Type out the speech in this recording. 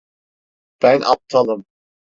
Ben aptalım.